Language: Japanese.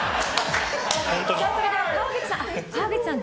それでは川口さん